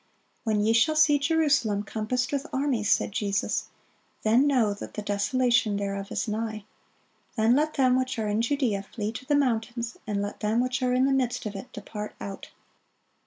"When ye shall see Jerusalem compassed with armies," said Jesus, "then know that the desolation thereof is nigh. Then let them which are in Judea flee to the mountains; and let them which are in the midst of it depart out."